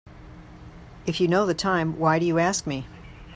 If you know the time why do you ask me?